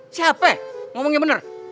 siapa ya ngomongnya bener